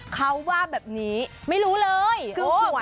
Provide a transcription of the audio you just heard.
เขาว่าแบบนี้ทำไมเป็นแบบนี้ไม่รู้เลย